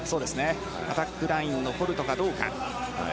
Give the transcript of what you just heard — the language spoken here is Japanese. アタックラインのフォルトかどうか。